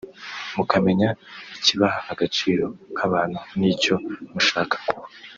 mukamenya ikibaha agaciro nk’abantu n’icyo mushaka kuba